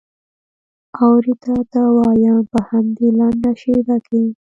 اورې تا ته وایم په همدې لنډه شېبه کې.